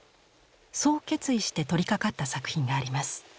そう決意して取りかかった作品があります。